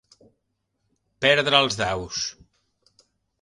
Perdre els daus.